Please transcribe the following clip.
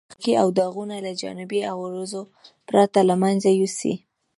د مخ لکې او داغونه له جانبي عوارضو پرته له منځه یوسئ.